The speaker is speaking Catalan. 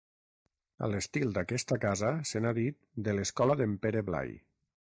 A l'estil d'aquesta casa se n'ha dit de l'Escola d'en Pere Blai.